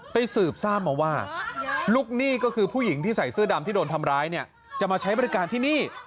สืบทราบมาว่าลูกหนี้ก็คือผู้หญิงที่ใส่เสื้อดำที่โดนทำร้ายเนี่ยจะมาใช้บริการที่นี่